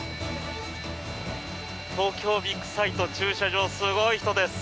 東京ビッグサイト駐車場、すごい人です。